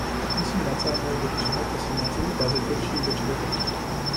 მისი ნაწარმოებების უმეტესი ნაწილი გაზეთებში იბეჭდებოდა.